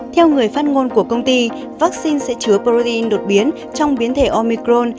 theo người phát ngôn của công ty vaccine sẽ chứa protein đột biến trong biến thể omicron